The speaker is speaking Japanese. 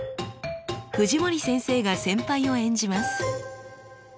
藤森先生が先輩を演じます。